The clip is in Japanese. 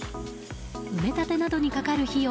埋め立てなどにかかる費用